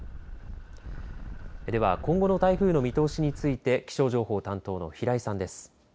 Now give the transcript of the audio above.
では今後の台風の見通しについて気象情報担当の平井さんです。